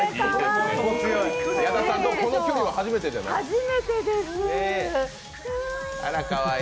矢田さん、この距離は初めてじゃない？